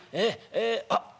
ええあっ